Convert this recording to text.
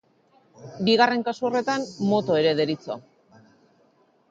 Bigarren kasu horretan moto ere deritzo.